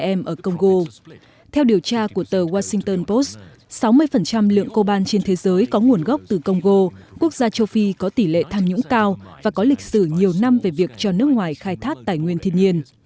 theo điều tra của tờ washington post sáu mươi lượng coban trên thế giới có nguồn gốc từ congo quốc gia châu phi có tỷ lệ tham nhũng cao và có lịch sử nhiều năm về việc cho nước ngoài khai thác tài nguyên thiên nhiên